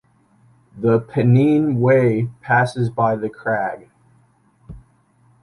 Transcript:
The Pennine Way passes by the crag.